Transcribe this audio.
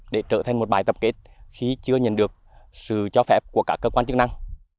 để trở thành một bài tập kết khi chưa nhận được sự cho phép của các cơ quan chức năng